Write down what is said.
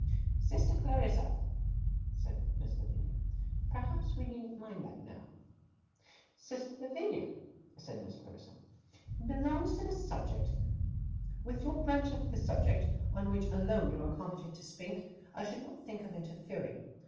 'Sister Clarissa,' said Miss Lavinia. 'Perhaps we needn't mind that now.' 'Sister Lavinia,' said Miss Clarissa, 'it belongs to the subject. With your branch of the subject, on which alone you are competent to speak, I should not think of interfering.